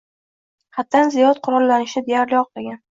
haddan ziyod qurollanishni deyarli oqlagan.